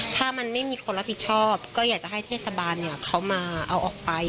ถ้ามันไม่มีคนรับผิดชอบก็อยากจะให้เทศบาลเขามาเอาออกไป